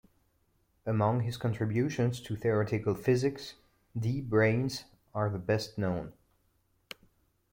Among his contributions to theoretical physics, D-branes are the best known.